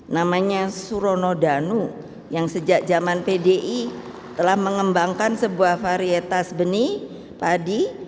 namanya surono danu yang sejak zaman pdi telah mengembangkan sebuah varietas benih padi